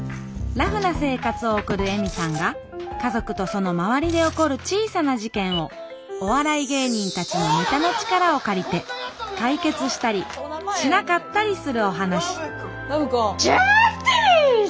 ラフな生活を送る恵美さんが家族とその周りで起こる小さな事件をお笑い芸人たちのネタの力を借りて解決したりしなかったりするお話ジャスティス！